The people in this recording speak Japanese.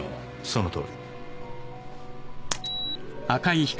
そのとおり。